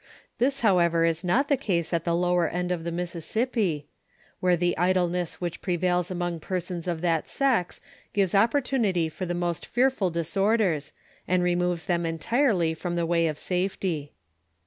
Thia, however, ia not tlio cuae at the lower end of Uie Miaaiaipi, where the idleneaa which prevaila among poraona of that aex givea opportunity for the moat fearful diaordora, and removoa tlieni entirely ft oin the way of aufety.